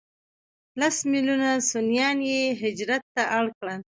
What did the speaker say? لس ملیونه سنیان یې هجرت ته اړ کړل.